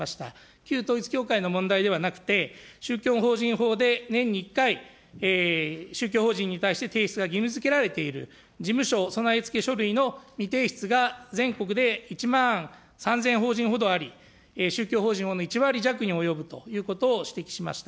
旧統一教会の問題ではなくて、宗教法人法で年に１回、宗教法人に対して提出が義務づけられている、事務所備え付け書類の未提出が全国で１万３０００法人ほどあり、宗教法人法の１割弱に及ぶと指摘しました。